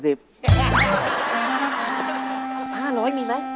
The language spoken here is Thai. ร้อยมีไหม